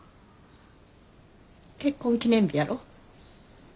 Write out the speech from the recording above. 結婚記念日やろ。